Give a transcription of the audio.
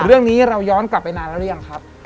เรื่องนี้เราย้อนกลับไปนานแล้วหรือยังครับ